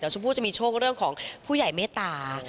ชมพู่จะมีโชคเรื่องของผู้ใหญ่เมตตา